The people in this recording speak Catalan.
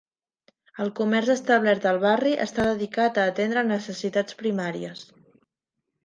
El comerç establert al barri està dedicat a atendre necessitats primàries.